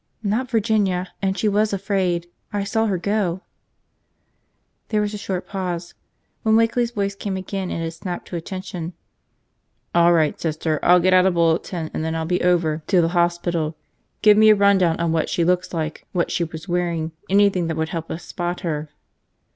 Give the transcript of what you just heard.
"Not Virginia. And she was afraid! I saw her go!" There was a short pause. When Wakeley's voice came again it had snapped to attention. "All right, Sister. I'll get out a bulletin and then I'll be over to the hospital. Give me a rundown on what she looks like, what she was wearing, anything that would help us spot her."